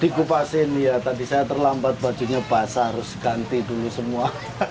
dikupasin ya tadi saya terlambat bajunya basah harus ganti dulu semua